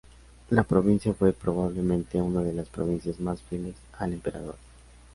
La provincia fue probablemente una de las provincias más fieles al emperador.